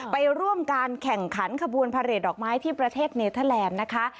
ไปร่วมการแข่งขันขบวนพาเรทดอกไม้ที่ประเทศเนเทอร์แลนด์นะคะ